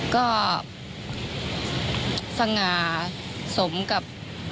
ก็ฟังงานสมกับ